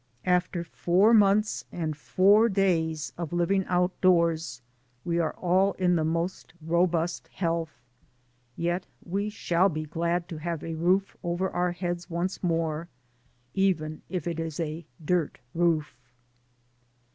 After four months and four days of living outdoors we are all in the most robust health. Yet we shall be glad to have a roof over our heads once more, even if it is a dirt roof.